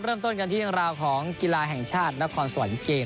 เริ่มต้นกันที่เรื่องราวของกีฬาแห่งชาตินครสวรรค์เกม